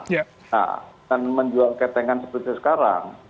nah dengan menjual ketengan seperti sekarang